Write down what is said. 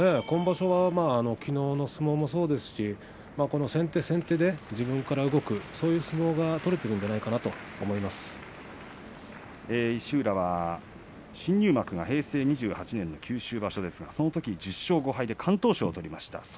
今場所はきのうの相撲もそうですが、先手先手で自分から動く、そういう相撲が取れているんじゃないかと石浦は新入幕が平成２８年九州場所ですがそのときは１０勝５敗で敢闘賞を取りました。